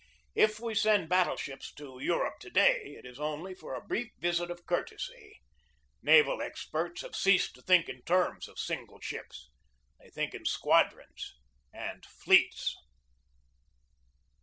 If we send battle ships to Europe to day, it is only for a brief visit of courtesy. Naval experts have ceased to think in terms of single ships ; they think in squad rons and fleets.